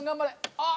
あっ！